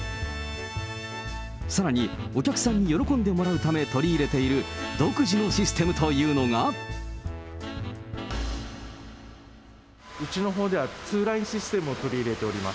さらにお客さんに喜んでもらうために取り入れている独自のシステうちのほうでは、ツーラインシステムを取り入れております。